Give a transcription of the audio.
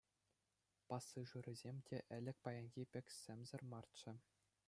Пассажирӗсем те ӗлӗк паянхи пек сӗмсӗр марччӗ.